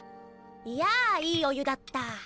いやいいお湯だった。